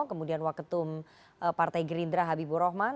kemudian waketum partai gerindra habibur rahman